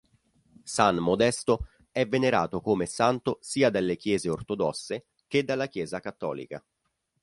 San Modesto è venerato come santo sia dalle Chiese ortodosse che dalla Chiesa cattolica.